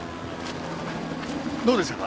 どうでしたか？